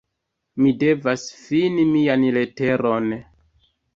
Mi devas ﬁni mian leteron.